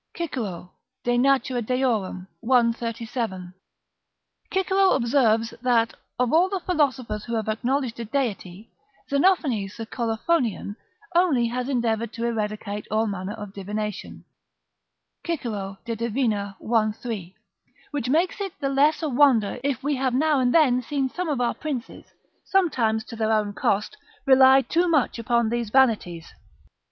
[Cicero, De Natura Deor., i. 37.] Cicero observes that of all the philosophers who have acknowledged a deity, Xenophanes the Colophonian only has endeavoured to eradicate all manner of divination [Cicero, De Divin., i. 3.] ; which makes it the less a wonder if we have now and then seen some of our princes, sometimes to their own cost, rely too much upon these vanities.